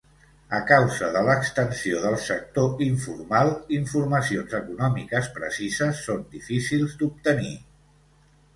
A causa de l'extensió del sector informal, informacions econòmiques precises són difícils d'obtenir.